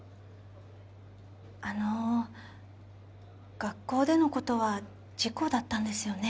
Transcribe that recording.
あの学校でのことは事故だったんですよね？